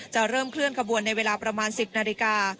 จะเริ่มเคลื่อนขบวนในเวลาประมาณ๑๐นาฬิกา